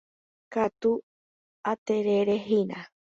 Katu atererehína.